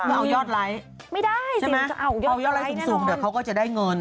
เอายอดไร้ใช่ไหมเอายอดไร้สูงเดี๋ยวเขาก็จะได้เงิน